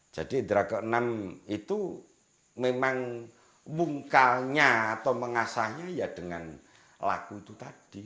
jadi indera keenam itu memang mungkalnya atau mengasahnya ya dengan laku itu tadi